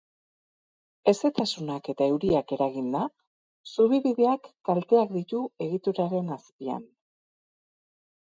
Hezetasunak eta euriak eraginda, zubibideak kalteak ditu egituraren azpian.